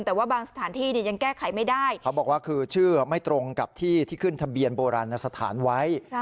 แต่ว่าบางสถานที่เนี่ยยังแก้ไขไม่ได้เขาบอกว่าคือชื่อไม่ตรงกับที่ที่ขึ้นทะเบียนโบราณสถานไว้